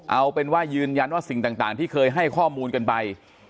เอาเป็นว่ายืนยันว่าสิ่งต่างที่เคยให้ข้อมูลกันไป